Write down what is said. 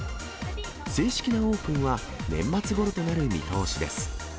正式なオープンは年末ごろとなる見通しです。